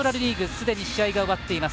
すでに試合が終わっています